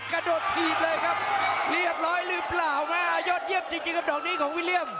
กระโดดถีบเลยครับเรียบร้อยหรือเปล่าแม่ยอดเยี่ยมจริงจริงครับดอกนี้ของวิลเลี่ยม